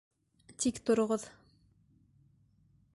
Тик тороғоҙ!..